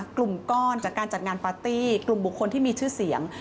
กลุ่มก้อนจากการจัดงานปาร์ตี้กลุ่มบุคคลที่มีชื่อเสียง